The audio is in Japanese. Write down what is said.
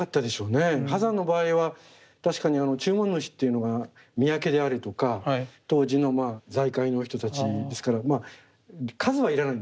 波山の場合は確かに注文主っていうのが宮家であるとか当時の財界の人たちですから数は要らないんですね。